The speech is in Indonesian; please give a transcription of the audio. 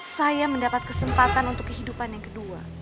saya mendapat kesempatan untuk kehidupan yang kedua